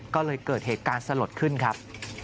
ก็เลยเกิดเหตุการณ์สลดขึ้นครับ